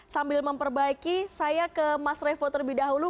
sambil memperbaiki saya ke mas revo terlebih dahulu